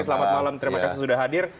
selamat malam terima kasih sudah hadir